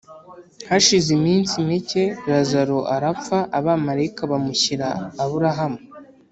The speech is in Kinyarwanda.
Hashize iminsi mike razalo arapfa abamarayika bamushyira Aburahamu